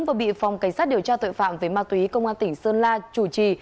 vừa bị phòng cảnh sát điều tra tội phạm về ma túy công an tỉnh sơn la chủ trì